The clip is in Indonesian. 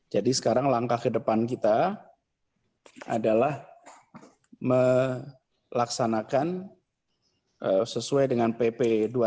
jadi sekarang langkah ke depan kita adalah melaksanakan sesuai dengan pp dua puluh satu